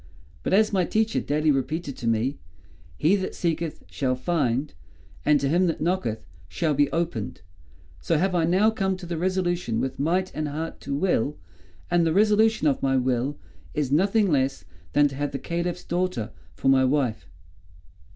But as my teacher daily repeated to me, 'He that seeketh shall find, and to him that knocketh shall be opened,' so have I now come to the resolution with might and heart to will, and the resolution of my will is nothing less than to have the Caliph's daughter for my wife."